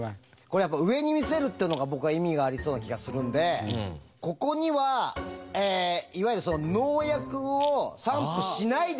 これやっぱ上に見せるっていうのが僕は意味がありそうな気がするんでここにはいわゆる農薬を散布しないでくださいみたいな。